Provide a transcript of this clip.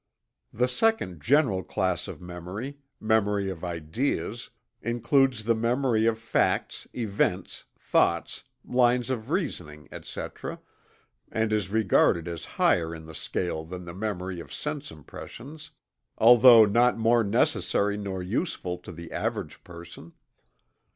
The second general class of memory, memory of ideas, includes the memory of facts, events, thoughts, lines of reasoning, etc., and is regarded as higher in the scale than the memory of sense impressions, although not more necessary nor useful to the average person.